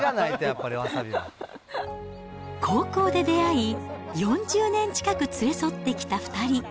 高校で出会い、４０年近く連れ添ってきた２人。